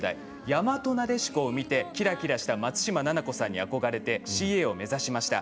「やまとなでしこ」を見てキラキラした松嶋菜々子さんに憧れてＣＡを目指しました。